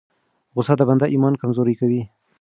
غصه د بنده ایمان کمزوری کوي.